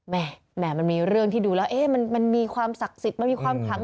แหม่มันมีเรื่องที่ดูแล้วมันมีความศักดิ์สิทธิ์มันมีความขลัง